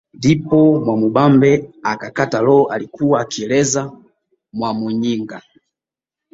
Ndipo Mwamubambe akakata roho alikuwa akieleza Mwamuyinga